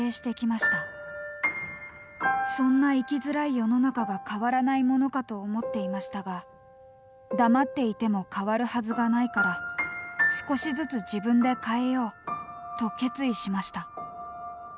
「そんな生きづらい世の中が変わらないものかと思っていましたが『黙っていても変わるはずがないから少しずつ自分で変えよう。』と決意しました」。